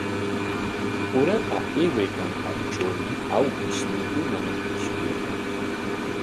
Urapa aywaykanqantrawmi awkish mituman ishkirqun.